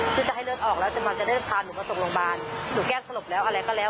ซึ่งจะให้เลือดออกแล้วมันจะได้พาหนูมาส่งโรงพยาบาลหนูแก้สลบแล้วอะไรก็แล้ว